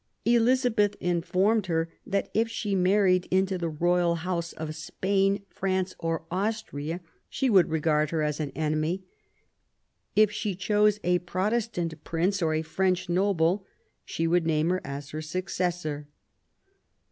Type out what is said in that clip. Elizabeth informed her that if she married into the Royal House of Spain, France or Austria, she would regard her as an enemy ; if she chose a Protestant prince or a French noble she would name her as her successor.